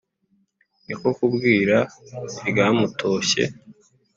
Ni ko kubwira iryamutoshye,